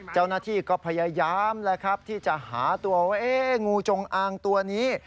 เจ้าหน้าที่ก็พยายามแล้วครับที่จะหาตัวว่างูจงอางตัวนี้